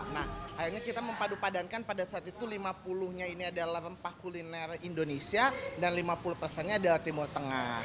nah akhirnya kita mempadu padankan pada saat itu lima puluh nya ini adalah rempah kuliner indonesia dan lima puluh pesannya adalah timur tengah